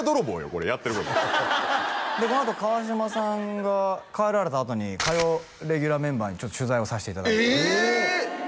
これやってることでこのあと川島さんが帰られたあとに火曜レギュラーメンバーに取材をさせていただいてえ！